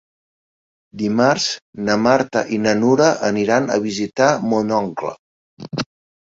Dimarts na Marta i na Nura aniran a visitar mon oncle.